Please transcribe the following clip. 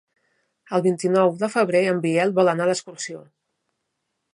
El vint-i-nou de febrer en Biel vol anar d'excursió.